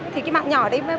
thì cái bạn nhỏ đấy